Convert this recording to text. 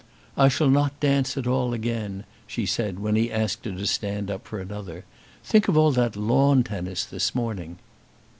"I shall not dance at all again," she said when he asked her to stand up for another. "Think of all that lawn tennis this morning."